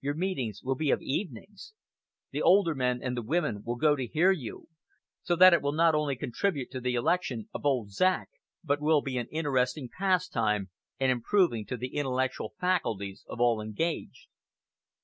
Your meetings will be of evenings; the older men, and the women, will go to hear you; so that it will not only contribute to the election of 'Old Zach,' but will be an interesting pastime, and improving to the intellectual faculties of all engaged."